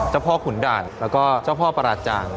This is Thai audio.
เจ้าพ่อขุนดาลแล้วก็เจ้าพ่อปราจาล